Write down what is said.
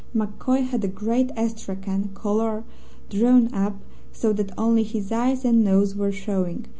MacCoy had a great astrakhan collar drawn up, so that only his eyes and nose were showing.